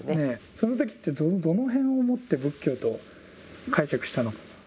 その時ってどの辺をもって仏教と解釈したのか？